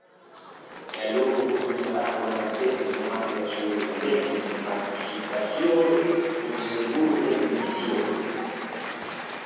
E Lugo comezará co Albacete no ano da súa undécima participación en Segunda División.